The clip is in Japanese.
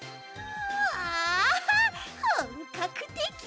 わあほんかくてき！